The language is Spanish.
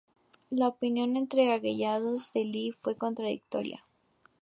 La opinión entre los allegados de Lee fue contradictoria.